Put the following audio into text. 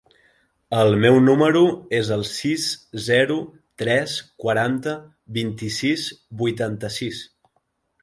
El meu número es el sis, zero, tres, quaranta, vint-i-sis, vuitanta-sis.